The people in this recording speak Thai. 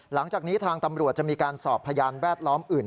หลังจากนี้ทางตำรวจจะมีการสอบพยานแวดล้อมอื่น